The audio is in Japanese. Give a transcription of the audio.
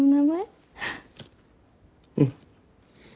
うん。